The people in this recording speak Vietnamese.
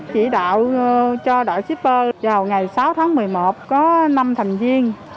chỉ đạo cho đội shipper vào ngày sáu tháng một mươi một có năm thành viên